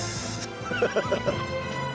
ハハハハハ。